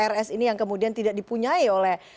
rs ini yang kemudian tidak dipunyai oleh